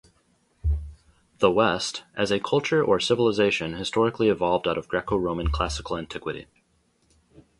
"The West" as a culture or civilization historically evolved out of Greco-Roman classical antiquity.